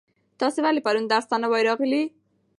تاسو ولې پرون درس ته نه وای راغلي؟